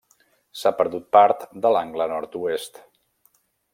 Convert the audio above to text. S'ha perdut part de l'angle nord-oest.